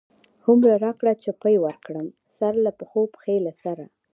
هو مره را کړه چی پی ورک کړم، سرله پښو، پښی له سره